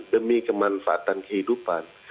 demi kemanfaatan kehidupan